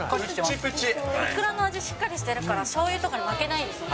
イクラの味、しっかりしてるから、しょうゆとかに負けないですね。